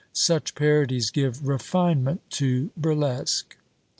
Such parodies give refinement to burlesque.